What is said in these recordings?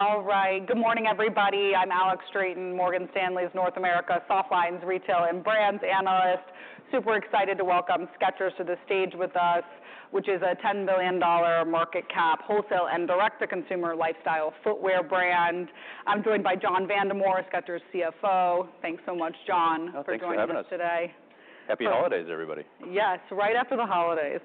All right. Good morning, everybody. I'm Alex Straton, Morgan Stanley's North America Softlines Retail and Brands Analyst. Super excited to welcome Skechers to the stage with us, which is a $10 billion market cap wholesale and direct-to-consumer lifestyle footwear brand. I'm joined by John Vandemore, Skechers CFO. Thanks so much, John, for joining us today. Happy holidays, everybody. Yes, right after the holidays.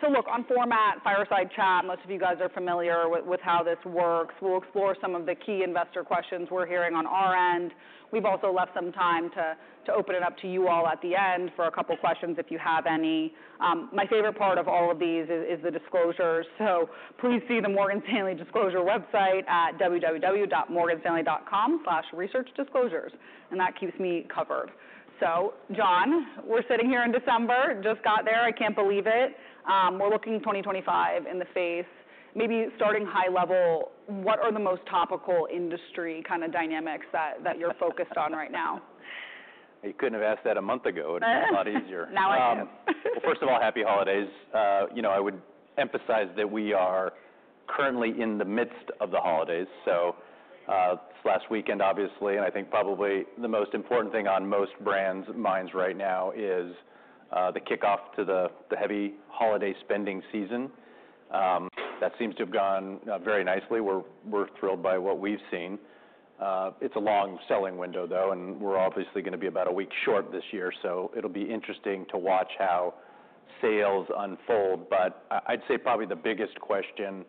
So look, on format, fireside chat, most of you guys are familiar with how this works. We'll explore some of the key investor questions we're hearing on our end. We've also left some time to open it up to you all at the end for a couple of questions if you have any. My favorite part of all of these is the disclosures. So please see the Morgan Stanley Disclosure website at www.morganstanley.com/researchdisclosures. And that keeps me covered. So John, we're sitting here in December, just got there. I can't believe it. We're looking 2025 in the face. Maybe starting high level, what are the most topical industry kind of dynamics that you're focused on right now? You couldn't have asked that a month ago. It'd be a lot easier. Now I can. First of all, happy holidays. I would emphasize that we are currently in the midst of the holidays. This last weekend, obviously, and I think probably the most important thing on most brands' minds right now is the kickoff to the heavy holiday spending season. That seems to have gone very nicely. We're thrilled by what we've seen. It's a long selling window, though, and we're obviously going to be about a week short this year. It'll be interesting to watch how sales unfold. But I'd say probably the biggest question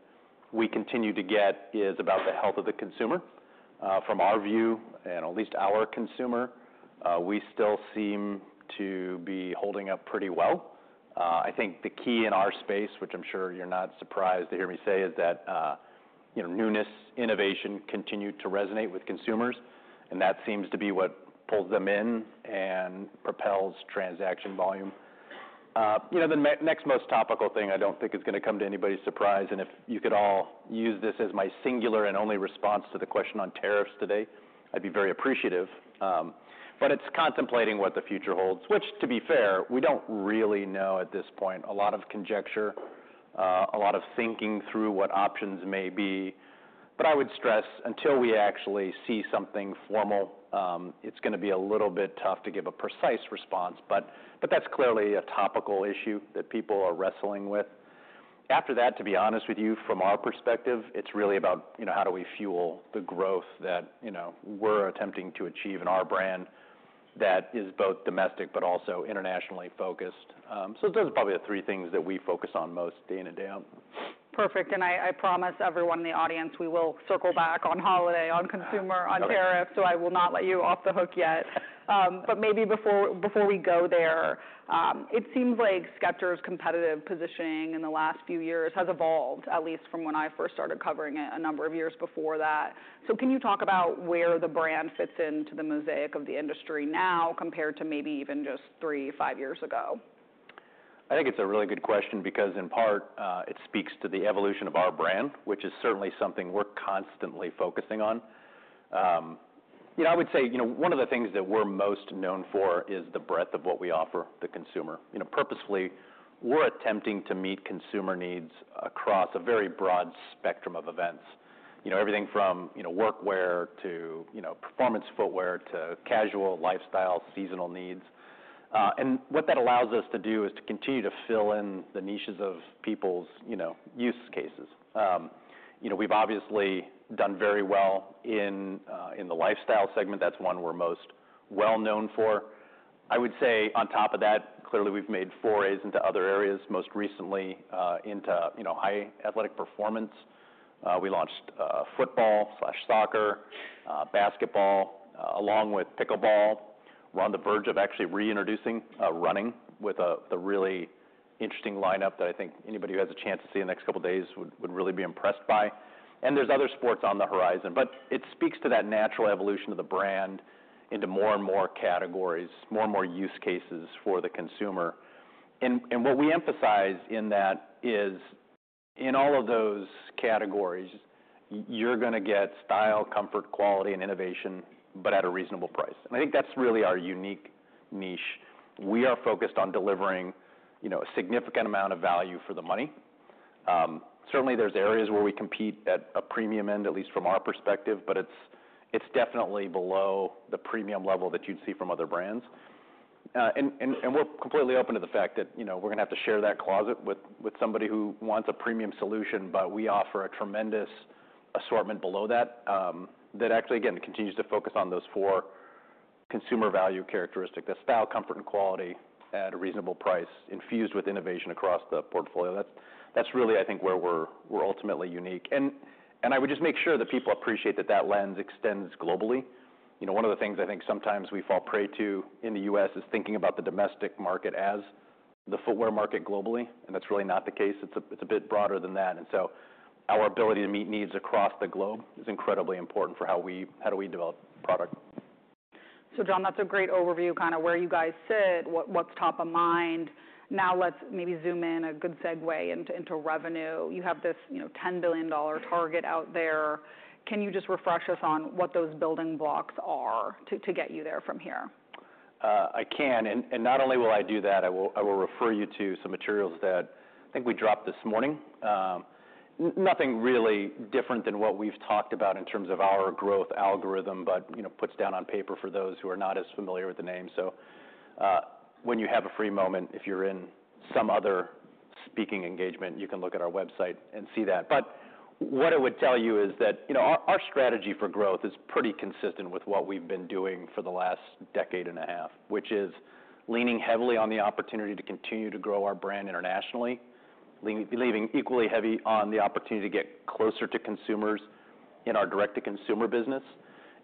we continue to get is about the health of the consumer. From our view, and at least our consumer, we still seem to be holding up pretty well. I think the key in our space, which I'm sure you're not surprised to hear me say, is that newness, innovation continue to resonate with consumers. And that seems to be what pulls them in and propels transaction volume. The next most topical thing I don't think is going to come to anybody's surprise. And if you could all use this as my singular and only response to the question on tariffs today, I'd be very appreciative. But it's contemplating what the future holds, which, to be fair, we don't really know at this point. A lot of conjecture, a lot of thinking through what options may be. But I would stress, until we actually see something formal, it's going to be a little bit tough to give a precise response. But that's clearly a topical issue that people are wrestling with. After that, to be honest with you, from our perspective, it's really about how do we fuel the growth that we're attempting to achieve in our brand that is both domestic but also internationally focused, so those are probably the three things that we focus on most day in and day out. Perfect. And I promise everyone in the audience we will circle back on holiday, on consumer, on tariffs. So I will not let you off the hook yet. But maybe before we go there, it seems like Skechers' competitive positioning in the last few years has evolved, at least from when I first started covering it a number of years before that. So can you talk about where the brand fits into the mosaic of the industry now compared to maybe even just three, five years ago? I think it's a really good question because in part it speaks to the evolution of our brand, which is certainly something we're constantly focusing on. I would say one of the things that we're most known for is the breadth of what we offer the consumer. Purposefully, we're attempting to meet consumer needs across a very broad spectrum of events. Everything from workwear to performance footwear to casual lifestyle seasonal needs. And what that allows us to do is to continue to fill in the niches of people's use cases. We've obviously done very well in the lifestyle segment. That's one we're most well known for. I would say on top of that, clearly we've made forays into other areas, most recently into high athletic performance. We launched football/soccer, basketball, along with pickleball. We're on the verge of actually reintroducing running with a really interesting lineup that I think anybody who has a chance to see in the next couple of days would really be impressed by. And there's other sports on the horizon. But it speaks to that natural evolution of the brand into more and more categories, more and more use cases for the consumer. And what we emphasize in that is in all of those categories, you're going to get style, comfort, quality, and innovation, but at a reasonable price. And I think that's really our unique niche. We are focused on delivering a significant amount of value for the money. Certainly, there's areas where we compete at a premium end, at least from our perspective, but it's definitely below the premium level that you'd see from other brands. And we're completely open to the fact that we're going to have to share that closet with somebody who wants a premium solution, but we offer a tremendous assortment below that that actually, again, continues to focus on those four consumer value characteristics: the style, comfort, and quality at a reasonable price infused with innovation across the portfolio. That's really, I think, where we're ultimately unique. And I would just make sure that people appreciate that that lens extends globally. One of the things I think sometimes we fall prey to in the U.S. is thinking about the domestic market as the footwear market globally. And that's really not the case. It's a bit broader than that. And so our ability to meet needs across the globe is incredibly important for how we develop product. So John, that's a great overview kind of where you guys sit, what's top of mind. Now let's maybe zoom in a good segue into revenue. You have this $10 billion target out there. Can you just refresh us on what those building blocks are to get you there from here? I can, and not only will I do that. I will refer you to some materials that I think we dropped this morning. Nothing really different than what we've talked about in terms of our growth algorithm, but puts down on paper for those who are not as familiar with the name, so when you have a free moment, if you're in some other speaking engagement, you can look at our website and see that. But what I would tell you is that our strategy for growth is pretty consistent with what we've been doing for the last decade and a half, which is leaning heavily on the opportunity to continue to grow our brand internationally, leaning equally heavy on the opportunity to get closer to consumers in our direct-to-consumer business,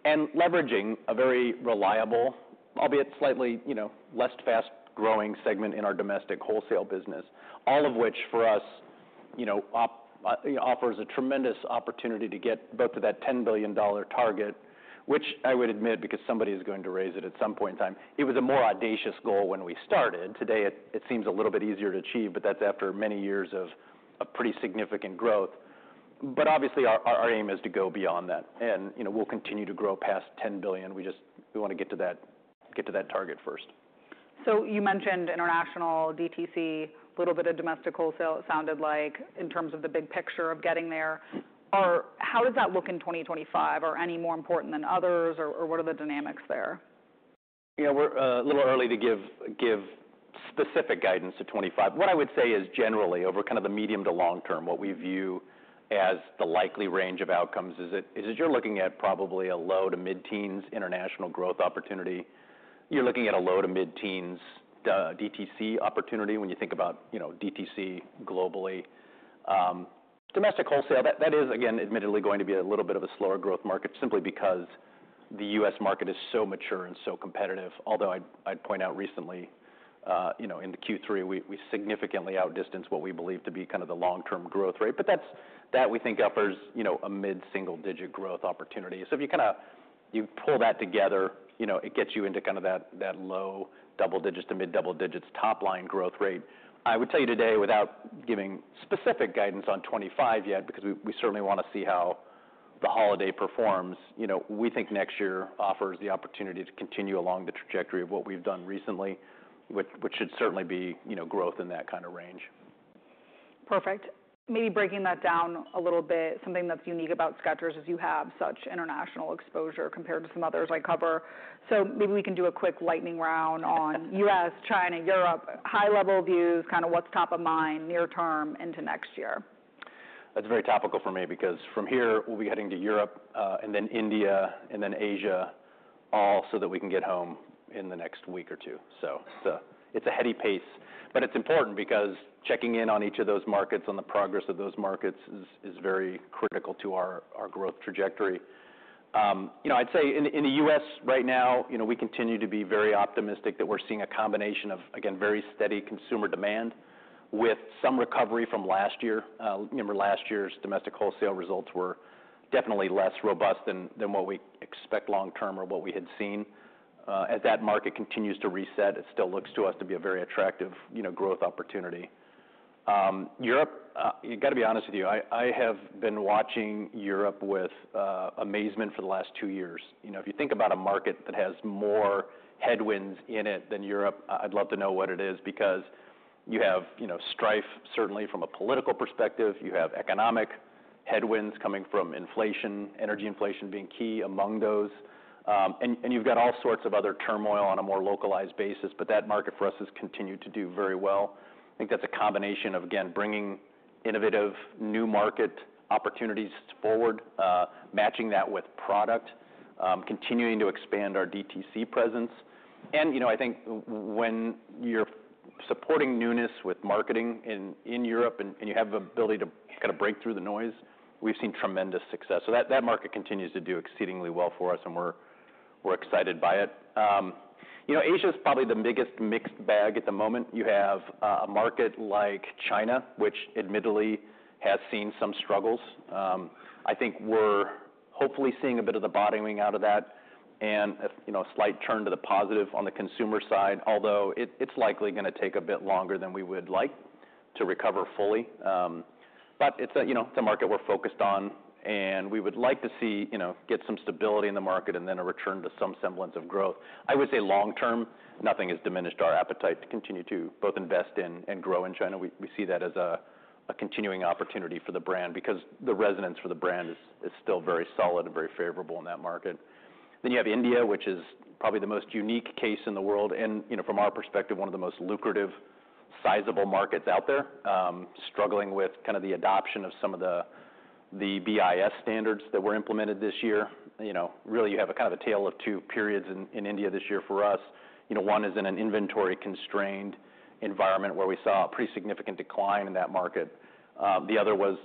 and leveraging a very reliable, albeit slightly less fast-growing segment in our domestic wholesale business, all of which for us offers a tremendous opportunity to get both to that $10 billion target, which I would admit, because somebody is going to raise it at some point in time, it was a more audacious goal when we started. Today, it seems a little bit easier to achieve, but that's after many years of pretty significant growth. But obviously, our aim is to go beyond that. And we'll continue to grow past $10 billion. We just want to get to that target first. So you mentioned international, DTC, a little bit of domestic wholesale, it sounded like, in terms of the big picture of getting there. How does that look in 2025? Are any more important than others, or what are the dynamics there? We're a little early to give specific guidance to 2025. What I would say is generally over kind of the medium to long term, what we view as the likely range of outcomes is that you're looking at probably a low to mid-teens international growth opportunity. You're looking at a low to mid-teens DTC opportunity when you think about DTC globally. Domestic wholesale, that is, again, admittedly going to be a little bit of a slower growth market simply because the U.S. market is so mature and so competitive. Although I'd point out recently in the Q3, we significantly outdistanced what we believe to be kind of the long-term growth rate. But that, we think, offers a mid-single-digit growth opportunity. So if you kind of pull that together, it gets you into kind of that low double digits to mid-double digits top-line growth rate. I would tell you today, without giving specific guidance on 2025 yet, because we certainly want to see how the holiday performs, we think next year offers the opportunity to continue along the trajectory of what we've done recently, which should certainly be growth in that kind of range. Perfect. Maybe breaking that down a little bit, something that's unique about Skechers is you have such international exposure compared to some others I cover. So maybe we can do a quick lightning round on U.S., China, Europe, high-level views, kind of what's top of mind near term into next year. That's very topical for me because from here, we'll be heading to Europe and then India and then Asia all so that we can get home in the next week or two. So it's a heady pace. But it's important because checking in on each of those markets and the progress of those markets is very critical to our growth trajectory. I'd say in the U.S. right now, we continue to be very optimistic that we're seeing a combination of, again, very steady consumer demand with some recovery from last year. Remember, last year's domestic wholesale results were definitely less robust than what we expect long term or what we had seen. As that market continues to reset, it still looks to us to be a very attractive growth opportunity. Europe, I've got to be honest with you. I have been watching Europe with amazement for the last two years. If you think about a market that has more headwinds in it than Europe, I'd love to know what it is because you have strife, certainly from a political perspective. You have economic headwinds coming from inflation, energy inflation being key among those, and you've got all sorts of other turmoil on a more localized basis. But that market for us has continued to do very well. I think that's a combination of, again, bringing innovative new market opportunities forward, matching that with product, continuing to expand our DTC presence, and I think when you're supporting newness with marketing in Europe and you have the ability to kind of break through the noise, we've seen tremendous success. So that market continues to do exceedingly well for us, and we're excited by it. Asia is probably the biggest mixed bag at the moment. You have a market like China, which admittedly has seen some struggles. I think we're hopefully seeing a bit of the bottoming out of that and a slight turn to the positive on the consumer side, although it's likely going to take a bit longer than we would like to recover fully. But it's a market we're focused on, and we would like to see get some stability in the market and then a return to some semblance of growth. I would say long term, nothing has diminished our appetite to continue to both invest in and grow in China. We see that as a continuing opportunity for the brand because the resonance for the brand is still very solid and very favorable in that market. Then you have India, which is probably the most unique case in the world and from our perspective, one of the most lucrative, sizable markets out there, struggling with kind of the adoption of some of the BIS standards that were implemented this year. Really, you have a kind of a tale of two periods in India this year for us. One is in an inventory-constrained environment where we saw a pretty significant decline in that market. The other was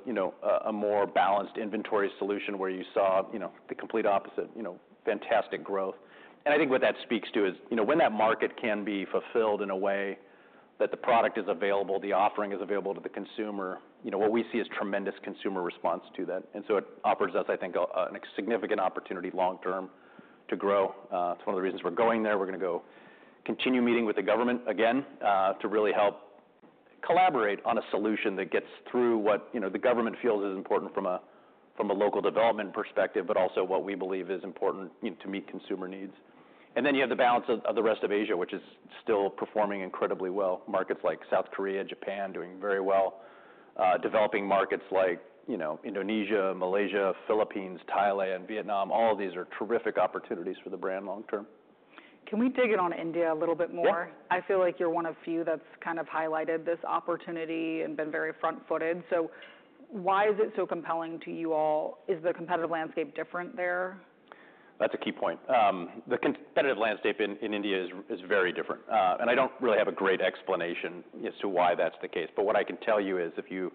a more balanced inventory solution where you saw the complete opposite, fantastic growth. And I think what that speaks to is when that market can be fulfilled in a way that the product is available, the offering is available to the consumer, what we see is tremendous consumer response to that. And so it offers us, I think, a significant opportunity long term to grow. It's one of the reasons we're going there. We're going to go continue meeting with the government again to really help collaborate on a solution that gets through what the government feels is important from a local development perspective, but also what we believe is important to meet consumer needs, and then you have the balance of the rest of Asia, which is still performing incredibly well. Markets like South Korea, Japan doing very well, developing markets like Indonesia, Malaysia, Philippines, Thailand, Vietnam. All of these are terrific opportunities for the brand long term. Can we dig in on India a little bit more? I feel like you're one of few that's kind of highlighted this opportunity and been very front-footed. So why is it so compelling to you all? Is the competitive landscape different there? That's a key point. The competitive landscape in India is very different, and I don't really have a great explanation as to why that's the case, but what I can tell you is if you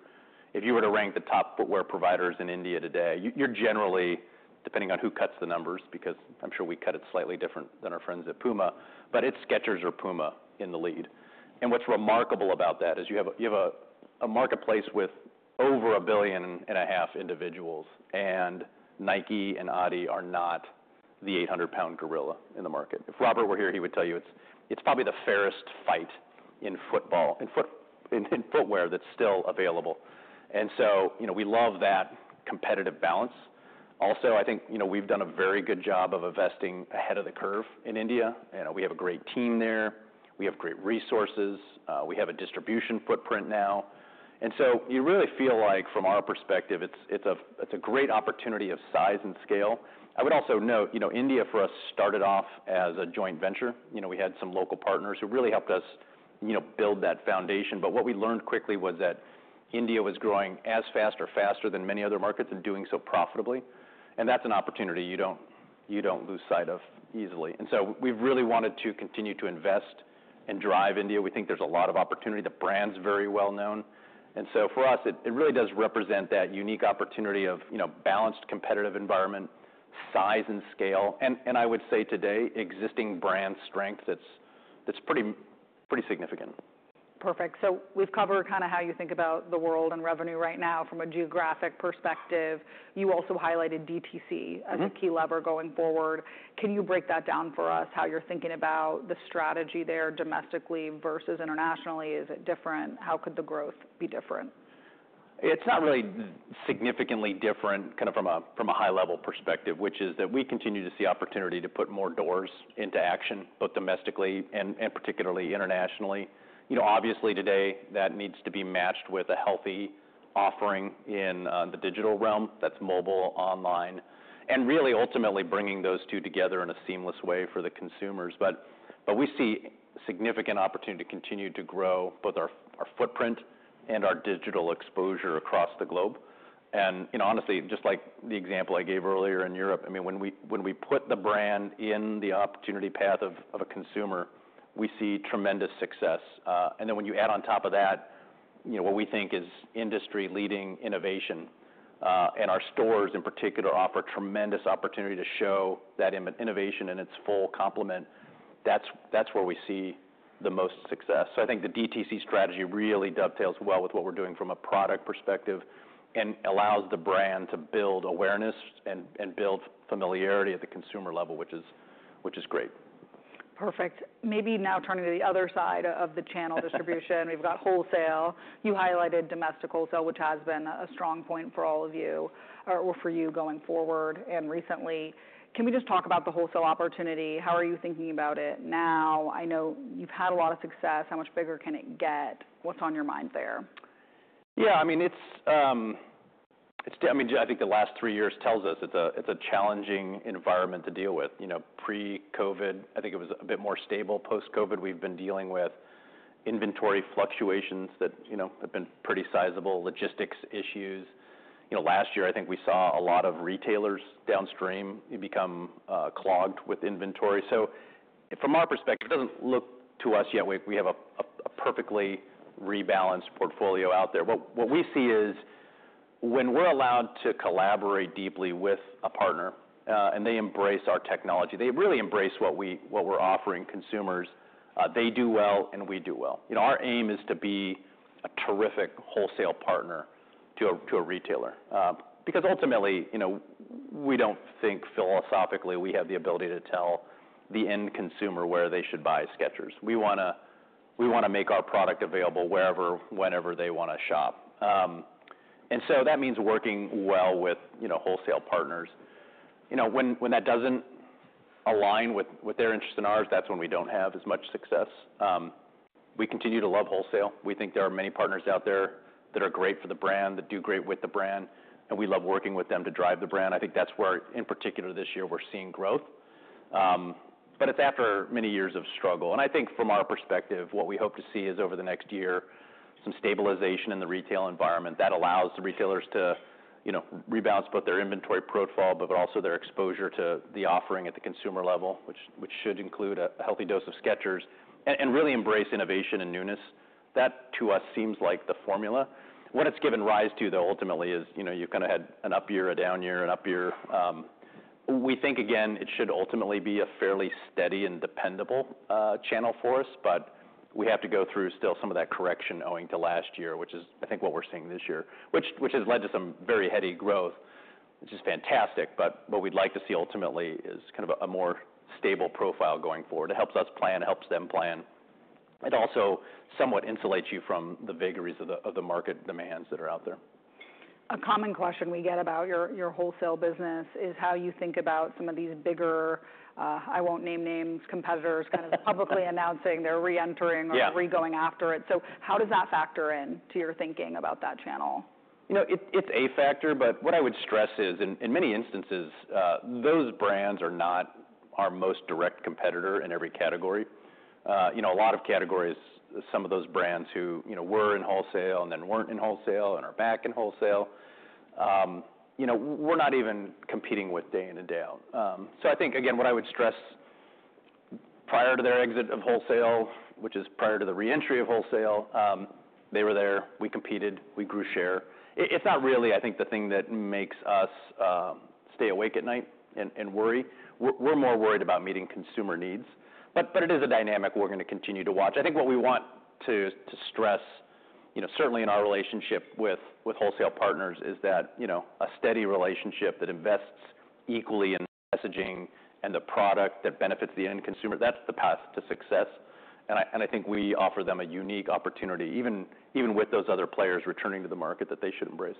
were to rank the top footwear providers in India today, you're generally, depending on who cuts the numbers, because I'm sure we cut it slightly different than our friends at Puma, but it's Skechers or Puma in the lead, and what's remarkable about that is you have a marketplace with over a billion and a half individuals, and Nike and Adi are not the 800-pound gorilla in the market. If Robert were here, he would tell you it's probably the fairest fight in football and footwear that's still available, and so we love that competitive balance. Also, I think we've done a very good job of investing ahead of the curve in India. We have a great team there. We have great resources. We have a distribution footprint now. And so you really feel like from our perspective, it's a great opportunity of size and scale. I would also note India for us started off as a joint venture. We had some local partners who really helped us build that foundation. But what we learned quickly was that India was growing as fast or faster than many other markets and doing so profitably. And that's an opportunity you don't lose sight of easily. And so we've really wanted to continue to invest and drive India. We think there's a lot of opportunity. The brand's very well known. And so for us, it really does represent that unique opportunity of balanced competitive environment, size and scale. And I would say today, existing brand strength that's pretty significant. Perfect. So we've covered kind of how you think about the world and revenue right now from a geographic perspective. You also highlighted DTC as a key lever going forward. Can you break that down for us, how you're thinking about the strategy there domestically versus internationally? Is it different? How could the growth be different? It's not really significantly different kind of from a high-level perspective, which is that we continue to see opportunity to put more doors into action, both domestically and particularly internationally. Obviously, today, that needs to be matched with a healthy offering in the digital realm that's mobile, online, and really ultimately bringing those two together in a seamless way for the consumers, but we see significant opportunity to continue to grow both our footprint and our digital exposure across the globe, and honestly, just like the example I gave earlier in Europe, I mean, when we put the brand in the opportunity path of a consumer, we see tremendous success, and then when you add on top of that what we think is industry-leading innovation and our stores in particular offer tremendous opportunity to show that innovation in its full complement, that's where we see the most success. I think the DTC strategy really dovetails well with what we're doing from a product perspective and allows the brand to build awareness and build familiarity at the consumer level, which is great. Perfect. Maybe now turning to the other side of the channel distribution. We've got wholesale. You highlighted domestic wholesale, which has been a strong point for all of you or for you going forward and recently. Can we just talk about the wholesale opportunity? How are you thinking about it now? I know you've had a lot of success. How much bigger can it get? What's on your mind there? Yeah. I mean, I think the last three years tells us it's a challenging environment to deal with. Pre-COVID, I think it was a bit more stable. Post-COVID, we've been dealing with inventory fluctuations that have been pretty sizable, logistics issues. Last year, I think we saw a lot of retailers downstream become clogged with inventory. So from our perspective, it doesn't look to us yet. We have a perfectly rebalanced portfolio out there. What we see is when we're allowed to collaborate deeply with a partner and they embrace our technology, they really embrace what we're offering consumers, they do well and we do well. Our aim is to be a terrific wholesale partner to a retailer because ultimately, we don't think philosophically we have the ability to tell the end consumer where they should buy Skechers. We want to make our product available wherever, whenever they want to shop, and so that means working well with wholesale partners. When that doesn't align with their interest and ours, that's when we don't have as much success. We continue to love wholesale. We think there are many partners out there that are great for the brand, that do great with the brand, and we love working with them to drive the brand. I think that's where in particular this year we're seeing growth, but it's after many years of struggle, and I think from our perspective, what we hope to see is over the next year some stabilization in the retail environment that allows the retailers to rebalance both their inventory profile, but also their exposure to the offering at the consumer level, which should include a healthy dose of Skechers and really embrace innovation and newness. That to us seems like the formula. What it's given rise to, though, ultimately is you've kind of had an up year, a down year, an up year. We think, again, it should ultimately be a fairly steady and dependable channel for us. But we have to go through still some of that correction owing to last year, which is I think what we're seeing this year, which has led to some very heady growth, which is fantastic. But what we'd like to see ultimately is kind of a more stable profile going forward. It helps us plan, helps them plan. It also somewhat insulates you from the vagaries of the market demands that are out there. A common question we get about your wholesale business is how you think about some of these bigger, I won't name names, competitors kind of publicly announcing they're reentering or regoing after it. So how does that factor into your thinking about that channel? It's a factor. But what I would stress is in many instances, those brands are not our most direct competitor in every category. A lot of categories, some of those brands who were in wholesale and then weren't in wholesale and are back in wholesale, we're not even competing with day in and day out. So I think, again, what I would stress prior to their exit of wholesale, which is prior to the re-entry of wholesale, they were there. We competed. We grew share. It's not really, I think, the thing that makes us stay awake at night and worry. We're more worried about meeting consumer needs. But it is a dynamic we're going to continue to watch. I think what we want to stress, certainly in our relationship with wholesale partners, is that a steady relationship that invests equally in the messaging and the product that benefits the end consumer, that's the path to success. And I think we offer them a unique opportunity, even with those other players returning to the market, that they should embrace.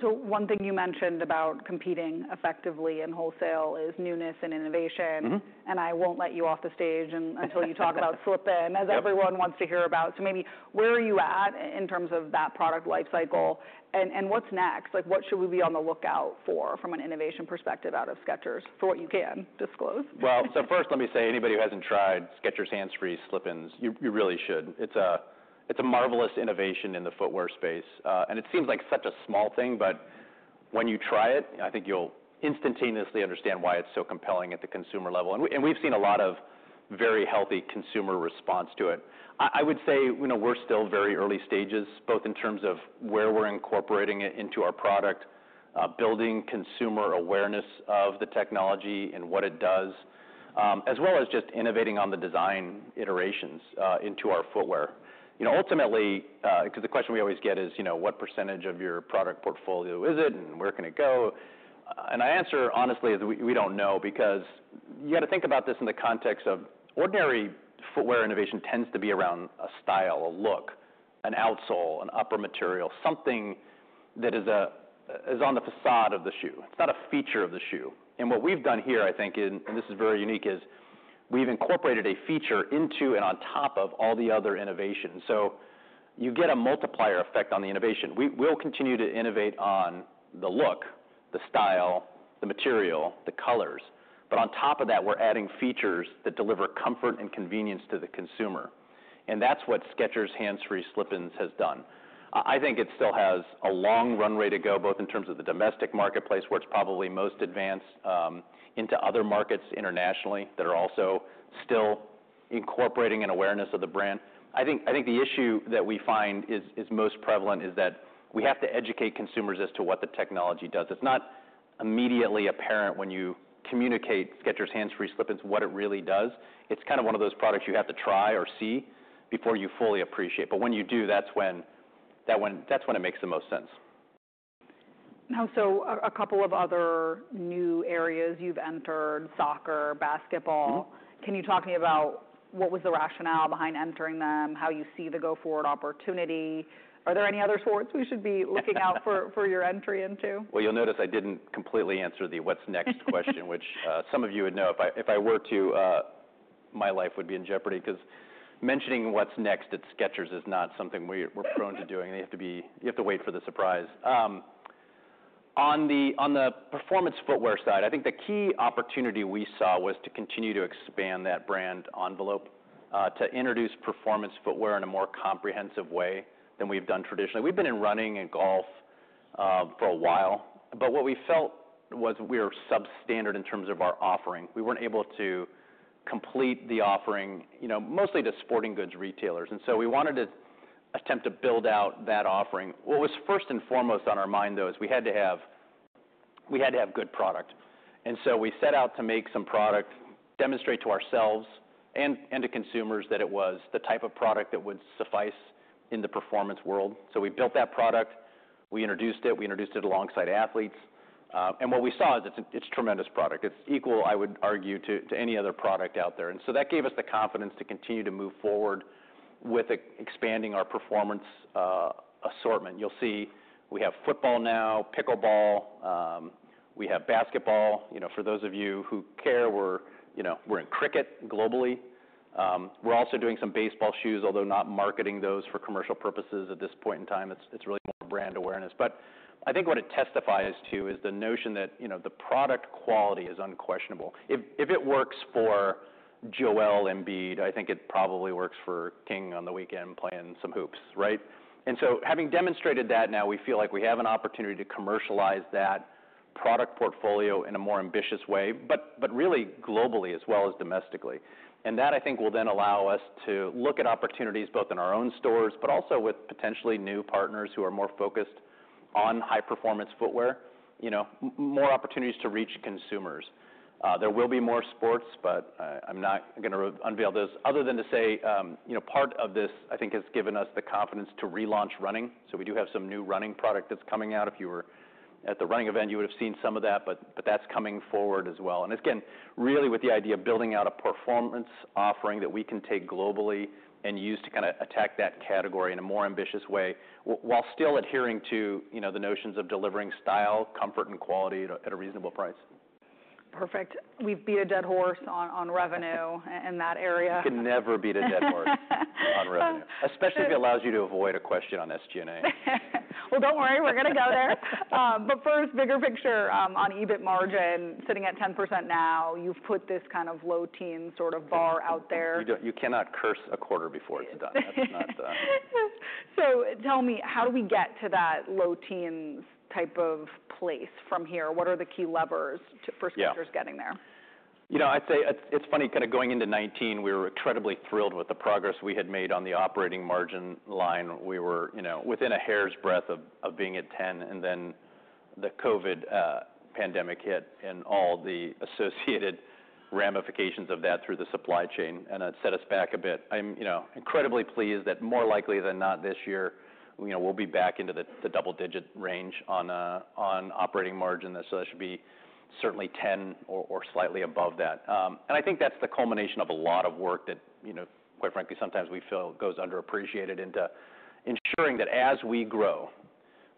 So one thing you mentioned about competing effectively in wholesale is newness and innovation. And I won't let you off the stage until you talk about slip-in as everyone wants to hear about. So maybe where are you at in terms of that product lifecycle and what's next? What should we be on the lookout for from an innovation perspective out of Skechers for what you can disclose? First, let me say anybody who hasn't tried Skechers Hands Free Slip-ins, you really should. It's a marvelous innovation in the footwear space. It seems like such a small thing, but when you try it, I think you'll instantaneously understand why it's so compelling at the consumer level. We've seen a lot of very healthy consumer response to it. I would say we're still very early stages, both in terms of where we're incorporating it into our product, building consumer awareness of the technology and what it does, as well as just innovating on the design iterations into our footwear. Ultimately, because the question we always get is what percentage of your product portfolio is it and where can it go? And I answer honestly is we don't know because you got to think about this in the context of ordinary footwear innovation tends to be around a style, a look, an outsole, an upper material, something that is on the facade of the shoe. It's not a feature of the shoe. And what we've done here, I think, and this is very unique, is we've incorporated a feature into and on top of all the other innovation. So you get a multiplier effect on the innovation. We'll continue to innovate on the look, the style, the material, the colors. But on top of that, we're adding features that deliver comfort and convenience to the consumer. And that's what Skechers Hands Free Slip-ins has done. I think it still has a long runway to go, both in terms of the domestic marketplace where it's probably most advanced, into other markets internationally that are also still incorporating an awareness of the brand. I think the issue that we find is most prevalent is that we have to educate consumers as to what the technology does. It's not immediately apparent when you communicate Skechers Hands Free Slip-ins what it really does. It's kind of one of those products you have to try or see before you fully appreciate. But when you do, that's when it makes the most sense. Now, so a couple of other new areas you've entered, soccer, basketball. Can you talk to me about what was the rationale behind entering them, how you see the go-forward opportunity? Are there any other sports we should be looking out for your entry into? You'll notice I didn't completely answer the what's next question, which some of you would know. If I were to, my life would be in jeopardy because mentioning what's next at Skechers is not something we're prone to doing. You have to wait for the surprise. On the performance footwear side, I think the key opportunity we saw was to continue to expand that brand envelope, to introduce performance footwear in a more comprehensive way than we've done traditionally. We've been in running and golf for a while. But what we felt was we were substandard in terms of our offering. We weren't able to complete the offering mostly to sporting goods retailers. And so we wanted to attempt to build out that offering. What was first and foremost on our mind, though, is we had to have good product. And so we set out to make some product, demonstrate to ourselves and to consumers that it was the type of product that would suffice in the performance world. So we built that product. We introduced it. We introduced it alongside athletes. And what we saw is it's a tremendous product. It's equal, I would argue, to any other product out there. And so that gave us the confidence to continue to move forward with expanding our performance assortment. You'll see we have football now, pickleball. We have basketball. For those of you who care, we're in cricket globally. We're also doing some baseball shoes, although not marketing those for commercial purposes at this point in time. It's really more brand awareness. But I think what it testifies to is the notion that the product quality is unquestionable. If it works for Joel Embiid, I think it probably works for King on the weekend playing some hoops, right? And so having demonstrated that now, we feel like we have an opportunity to commercialize that product portfolio in a more ambitious way, but really globally as well as domestically. And that, I think, will then allow us to look at opportunities both in our own stores, but also with potentially new partners who are more focused on high-performance footwear, more opportunities to reach consumers. There will be more sports, but I'm not going to unveil those other than to say part of this, I think, has given us the confidence to relaunch running. So we do have some new running product that's coming out. If you were at The Running Event, you would have seen some of that. But that's coming forward as well. And again, really with the idea of building out a performance offering that we can take globally and use to kind of attack that category in a more ambitious way while still adhering to the notions of delivering style, comfort, and quality at a reasonable price. Perfect. We've beat a dead horse on revenue in that area. You can never beat a dead horse on revenue, especially if it allows you to avoid a question on SG&A. Don't worry. We're going to go there. But first, bigger picture on EBIT margin, sitting at 10% now. You've put this kind of low teen sort of bar out there. You cannot curse a quarter before it's done. So tell me, how do we get to that low teens type of place from here? What are the key levers for Skechers getting there? I'd say it's funny. Kind of going into 2019, we were incredibly thrilled with the progress we had made on the operating margin line. We were within a hair's breadth of being at 10%. And then the COVID pandemic hit and all the associated ramifications of that through the supply chain, and it set us back a bit. I'm incredibly pleased that more likely than not this year, we'll be back into the double-digit range on operating margin. So that should be certainly 10% or slightly above that. And I think that's the culmination of a lot of work that, quite frankly, sometimes we feel goes underappreciated into ensuring that as we grow,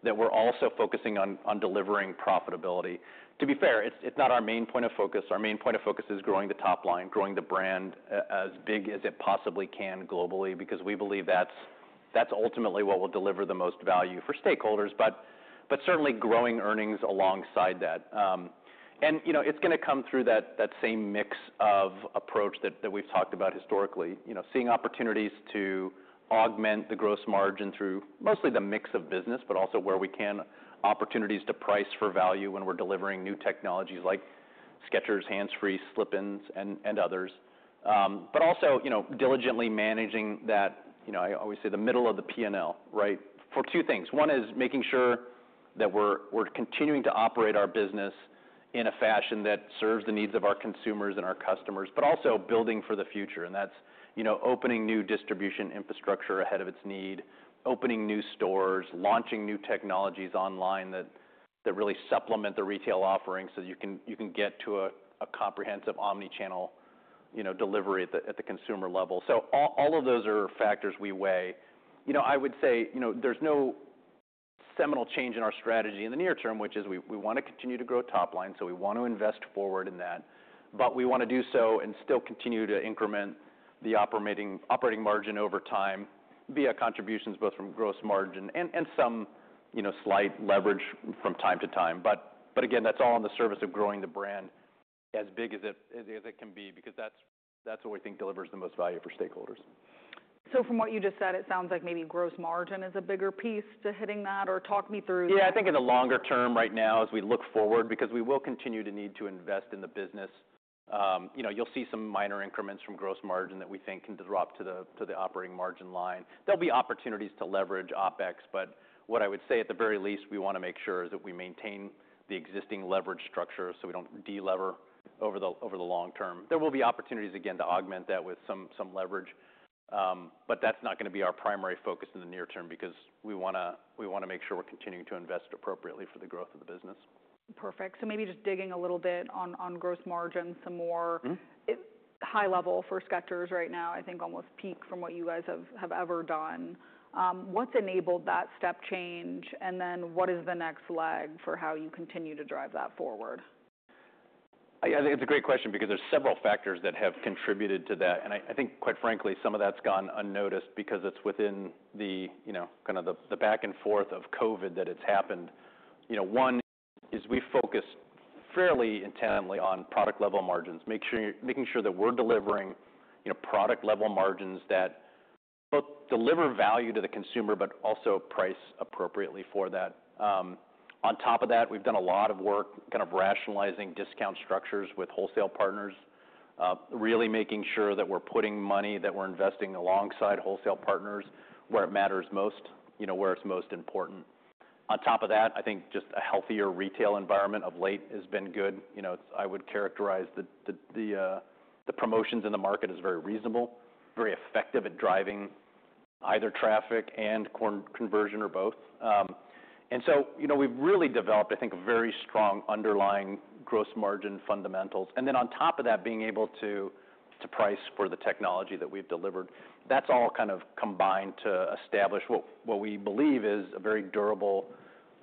that we're also focusing on delivering profitability. To be fair, it's not our main point of focus. Our main point of focus is growing the top line, growing the brand as big as it possibly can globally because we believe that's ultimately what will deliver the most value for stakeholders, but certainly growing earnings alongside that, and it's going to come through that same mix of approach that we've talked about historically, seeing opportunities to augment the gross margin through mostly the mix of business, but also where we can, opportunities to price for value when we're delivering new technologies like Skechers Hands Free Slip-ins, and others, but also diligently managing that. I always say the middle of the P&L, right, for two things. One is making sure that we're continuing to operate our business in a fashion that serves the needs of our consumers and our customers, but also building for the future. And that's opening new distribution infrastructure ahead of its need, opening new stores, launching new technologies online that really supplement the retail offering so you can get to a comprehensive omnichannel delivery at the consumer level. So all of those are factors we weigh. I would say there's no seminal change in our strategy in the near term, which is we want to continue to grow top line. So we want to invest forward in that. But we want to do so and still continue to increment the operating margin over time via contributions both from gross margin and some slight leverage from time to time. But again, that's all in the service of growing the brand as big as it can be because that's what we think delivers the most value for stakeholders. So from what you just said, it sounds like maybe gross margin is a bigger piece to hitting that, or talk me through that. Yeah, I think in the longer term right now as we look forward, because we will continue to need to invest in the business, you'll see some minor increments from gross margin that we think can drop to the operating margin line. There'll be opportunities to leverage OPEX. But what I would say at the very least, we want to make sure that we maintain the existing leverage structure so we don't de-lever over the long term. There will be opportunities again to augment that with some leverage. But that's not going to be our primary focus in the near term because we want to make sure we're continuing to invest appropriately for the growth of the business. Perfect. So maybe just digging a little bit on gross margin, some more high level for Skechers right now, I think almost peak from what you guys have ever done. What's enabled that step change? And then what is the next leg for how you continue to drive that forward? I think it's a great question because there's several factors that have contributed to that, and I think, quite frankly, some of that's gone unnoticed because it's within kind of the back and forth of COVID that it's happened. One is we focused fairly intentionally on product-level margins, making sure that we're delivering product-level margins that both deliver value to the consumer, but also price appropriately for that. On top of that, we've done a lot of work kind of rationalizing discount structures with wholesale partners, really making sure that we're putting money that we're investing alongside wholesale partners where it matters most, where it's most important. On top of that, I think just a healthier retail environment of late has been good. I would characterize the promotions in the market as very reasonable, very effective at driving either traffic and conversion or both. And so we've really developed, I think, a very strong underlying gross margin fundamentals. And then on top of that, being able to price for the technology that we've delivered, that's all kind of combined to establish what we believe is a very durable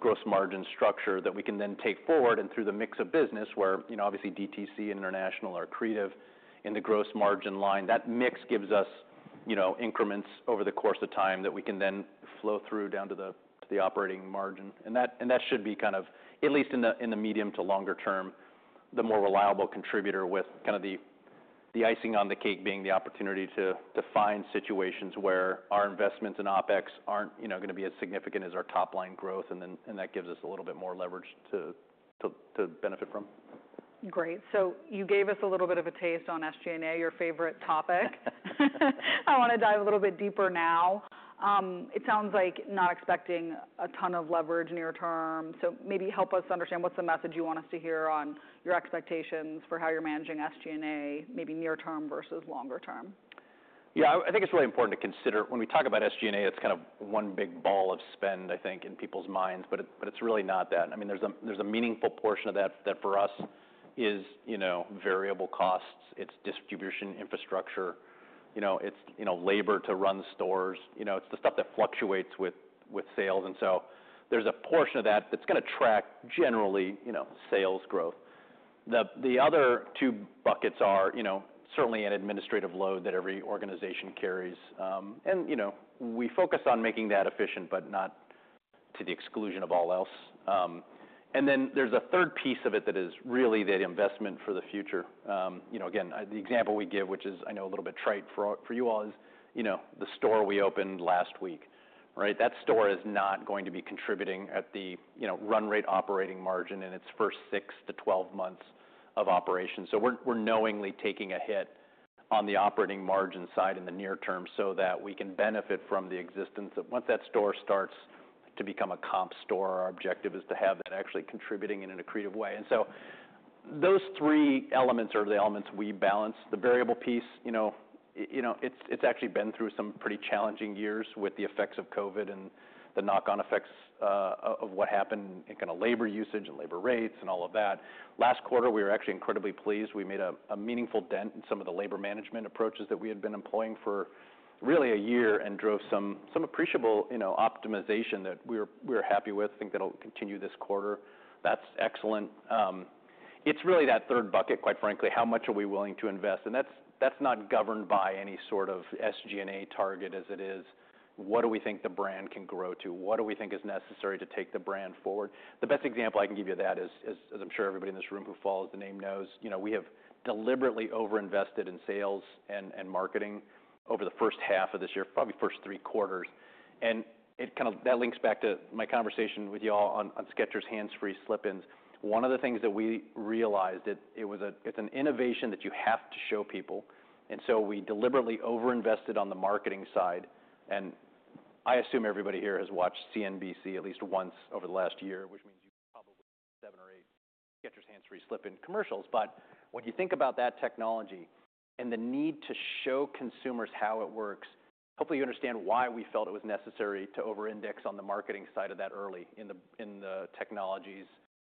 gross margin structure that we can then take forward. And through the mix of business, where obviously DTC and International are accretive in the gross margin line, that mix gives us increments over the course of time that we can then flow through down to the operating margin. And that should be kind of, at least in the medium to longer term, the more reliable contributor with kind of the icing on the cake being the opportunity to find situations where our investments in OPEX aren't going to be as significant as our top line growth. That gives us a little bit more leverage to benefit from. Great. So you gave us a little bit of a taste on SG&A, your favorite topic. I want to dive a little bit deeper now. It sounds like not expecting a ton of leverage near term. So maybe help us understand what's the message you want us to hear on your expectations for how you're managing SG&A, maybe near term versus longer term? Yeah, I think it's really important to consider. When we talk about SG&A, it's kind of one big ball of spend, I think, in people's minds. But it's really not that. I mean, there's a meaningful portion of that for us is variable costs. It's distribution infrastructure. It's labor to run stores. It's the stuff that fluctuates with sales. And so there's a portion of that that's going to track generally sales growth. The other two buckets are certainly an administrative load that every organization carries. And we focus on making that efficient, but not to the exclusion of all else. And then there's a third piece of it that is really that investment for the future. Again, the example we give, which is, I know, a little bit trite for you all, is the store we opened last week. That store is not going to be contributing at the run rate operating margin in its first six to 12 months of operation, so we're knowingly taking a hit on the operating margin side in the near term so that we can benefit from the existence of once that store starts to become a comp store, our objective is to have that actually contributing in an accretive way, and so those three elements are the elements we balance. The variable piece, it's actually been through some pretty challenging years with the effects of COVID and the knock-on effects of what happened in kind of labor usage and labor rates and all of that. Last quarter, we were actually incredibly pleased. We made a meaningful dent in some of the labor management approaches that we had been employing for really a year and drove some appreciable optimization that we were happy with. I think that'll continue this quarter. That's excellent. It's really that third bucket, quite frankly, how much are we willing to invest? And that's not governed by any sort of SG&A target as it is. What do we think the brand can grow to? What do we think is necessary to take the brand forward? The best example I can give you of that is, as I'm sure everybody in this room who follows the name knows, we have deliberately over-invested in sales and marketing over the first half of this year, probably first three quarters. And that links back to my conversation with you all on Skechers Hands Free Slip-ins. One of the things that we realized that it was an innovation that you have to show people, and so we deliberately over-invested on the marketing side, and I assume everybody here has watched CNBC at least once over the last year, which means you've probably seen seven or eight Skechers Hands Free Slip-ins commercials. But when you think about that technology and the need to show consumers how it works, hopefully you understand why we felt it was necessary to over-index on the marketing side of that early in the technology's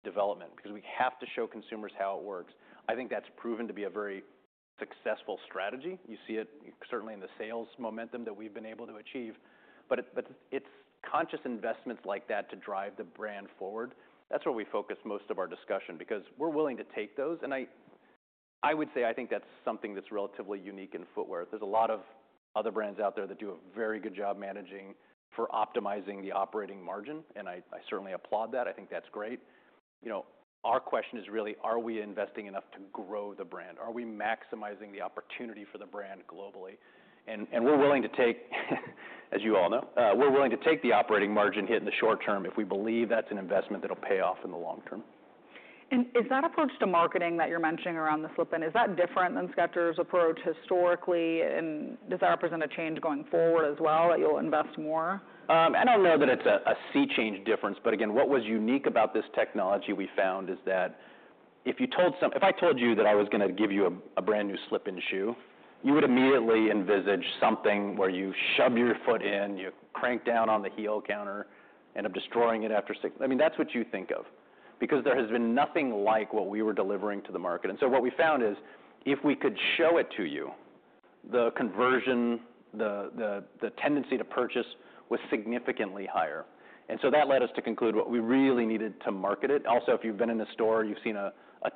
development because we have to show consumers how it works. I think that's proven to be a very successful strategy. You see it certainly in the sales momentum that we've been able to achieve, but it's conscious investments like that to drive the brand forward. That's where we focus most of our discussion because we're willing to take those. I would say I think that's something that's relatively unique in footwear. There's a lot of other brands out there that do a very good job managing for optimizing the operating margin. I certainly applaud that. I think that's great. Our question is really, are we investing enough to grow the brand? Are we maximizing the opportunity for the brand globally? We're willing to take, as you all know, we're willing to take the operating margin hit in the short term if we believe that's an investment that'll pay off in the long term. And is that approach to marketing that you're mentioning around the slip-in, is that different than Skechers' approach historically? And does that represent a change going forward as well that you'll invest more? I don't know that it's a sea change difference. But again, what was unique about this technology we found is that if I told you that I was going to give you a brand new slip-in shoe, you would immediately envisage something where you shove your foot in, you crank down on the heel counter, end up destroying it after six minutes. I mean, that's what you think of because there has been nothing like what we were delivering to the market. And so what we found is if we could show it to you, the conversion, the tendency to purchase was significantly higher. And so that led us to conclude what we really needed to market it. Also, if you've been in a store, you've seen a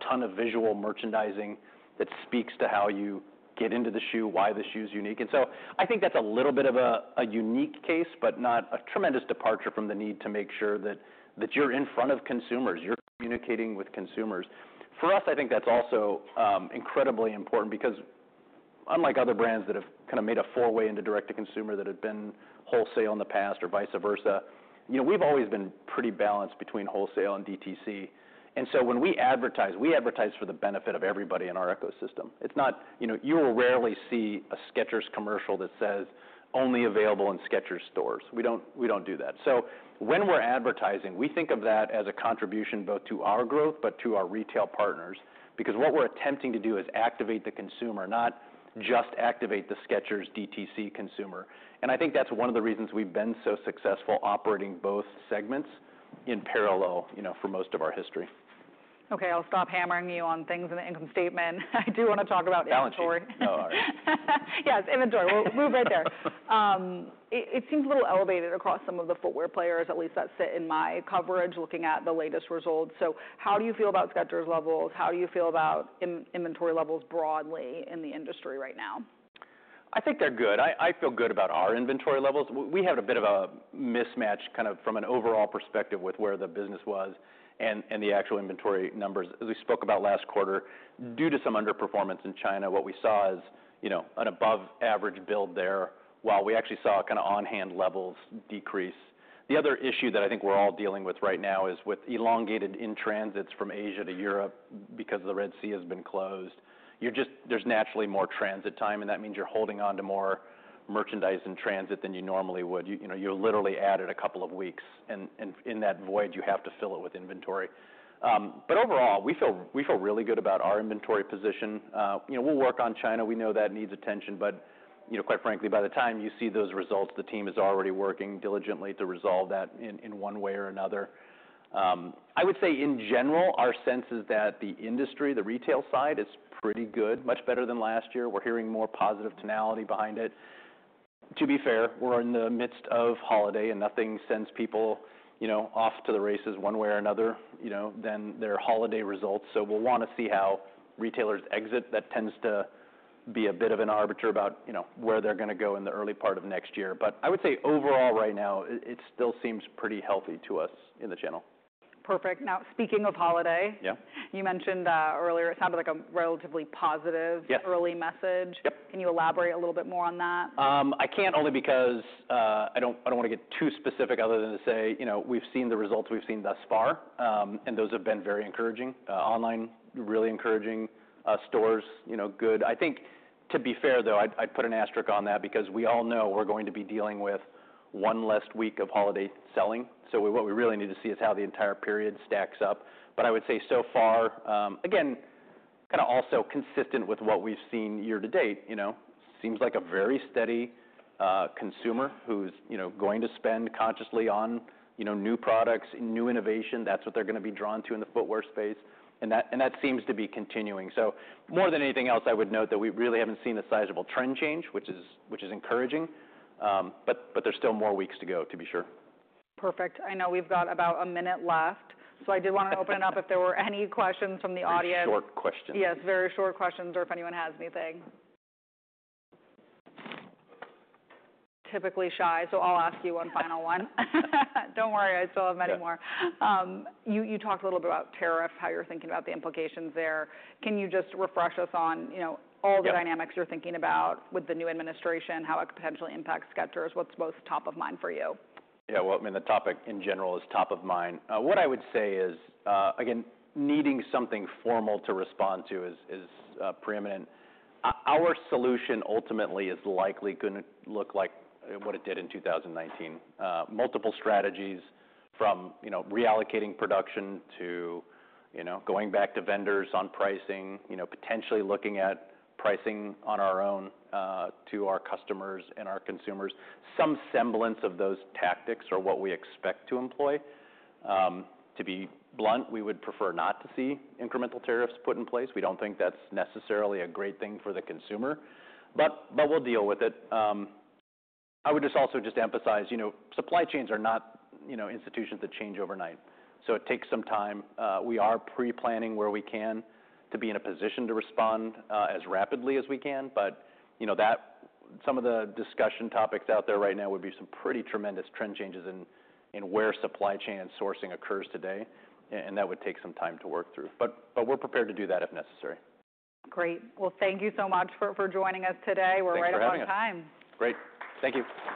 ton of visual merchandising that speaks to how you get into the shoe, why the shoe is unique. And so I think that's a little bit of a unique case, but not a tremendous departure from the need to make sure that you're in front of consumers, you're communicating with consumers. For us, I think that's also incredibly important because unlike other brands that have kind of made a foray into direct-to-consumer that had been wholesale in the past or vice versa, we've always been pretty balanced between wholesale and DTC. And so when we advertise, we advertise for the benefit of everybody in our ecosystem. It's not you will rarely see a Skechers commercial that says, "Only available in Skechers stores." We don't do that. So when we're advertising, we think of that as a contribution both to our growth, but to our retail partners because what we're attempting to do is activate the consumer, not just activate the Skechers DTC consumer. I think that's one of the reasons we've been so successful operating both segments in parallel for most of our history. Okay, I'll stop hammering you on things in the income statement. I do want to talk about inventory. Challenge. No, all right. Yes, inventory. We'll move right there. It seems a little elevated across some of the footwear players, at least that sit in my coverage looking at the latest results. So how do you feel about Skechers levels? How do you feel about inventory levels broadly in the industry right now? I think they're good. I feel good about our inventory levels. We had a bit of a mismatch kind of from an overall perspective with where the business was and the actual inventory numbers. As we spoke about last quarter, due to some underperformance in China, what we saw is an above-average build there, while we actually saw kind of on-hand levels decrease. The other issue that I think we're all dealing with right now is with elongated in-transits from Asia to Europe because the Red Sea has been closed. There's naturally more transit time, and that means you're holding on to more merchandise in transit than you normally would. You've literally added a couple of weeks. And in that void, you have to fill it with inventory. But overall, we feel really good about our inventory position. We'll work on China. We know that needs attention. But quite frankly, by the time you see those results, the team is already working diligently to resolve that in one way or another. I would say in general, our sense is that the industry, the retail side is pretty good, much better than last year. We're hearing more positive tonality behind it. To be fair, we're in the midst of holiday, and nothing sends people off to the races one way or another than their holiday results. So we'll want to see how retailers exit. That tends to be a bit of an arbitrage about where they're going to go in the early part of next year. But I would say overall right now, it still seems pretty healthy to us in the channel. Perfect. Now, speaking of holiday, you mentioned earlier it sounded like a relatively positive early message. Can you elaborate a little bit more on that? I can't only because I don't want to get too specific other than to say we've seen the results we've seen thus far, and those have been very encouraging. Online, really encouraging. Stores good. I think to be fair though, I'd put an asterisk on that because we all know we're going to be dealing with one less week of holiday selling, so what we really need to see is how the entire period stacks up, but I would say so far, again, kind of also consistent with what we've seen year to date, seems like a very steady consumer who's going to spend consciously on new products, new innovation. That's what they're going to be drawn to in the footwear space, and that seems to be continuing, so more than anything else, I would note that we really haven't seen a sizable trend change, which is encouraging. There's still more weeks to go to be sure. Perfect. I know we've got about a minute left. So I did want to open it up if there were any questions from the audience. Short questions. Yes, very short questions or if anyone has anything. Typically shy, so I'll ask you one final one. Don't worry, I still have many more. You talked a little bit about tariff, how you're thinking about the implications there. Can you just refresh us on all the dynamics you're thinking about with the new administration, how it potentially impacts Skechers? What's most top of mind for you? Yeah, well, I mean, the topic in general is top of mind. What I would say is, again, needing something formal to respond to is preeminent. Our solution ultimately is likely going to look like what it did in 2019. Multiple strategies from reallocating production to going back to vendors on pricing, potentially looking at pricing on our own to our customers and our consumers. Some semblance of those tactics are what we expect to employ. To be blunt, we would prefer not to see incremental tariffs put in place. We don't think that's necessarily a great thing for the consumer, but we'll deal with it. I would just also just emphasize supply chains are not institutions that change overnight. So it takes some time. We are pre-planning where we can to be in a position to respond as rapidly as we can. But some of the discussion topics out there right now would be some pretty tremendous trend changes in where supply chain and sourcing occurs today. And that would take some time to work through. But we're prepared to do that if necessary. Great. Well, thank you so much for joining us today. We're right up on time. Thanks for having us. Great. Thank you.